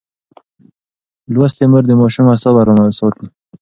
لوستې مور د ماشوم اعصاب ارام ساتي.